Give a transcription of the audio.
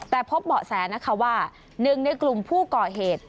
แต่พบเบาะแสนะคะว่าหนึ่งในกลุ่มผู้ก่อเหตุ